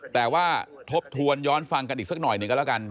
แต่ว่าทบทวนย้อนฟังกันอีกสักหน่อยหนึ่งก็แล้วกัน